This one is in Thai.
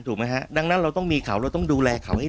ถูกไหมฮะดังนั้นเราต้องมีเขาเราต้องดูแลเขาให้